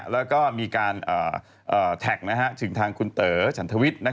แล้วก็มีการแท็กถึงทางคุณเต๋อฉันทวิทย์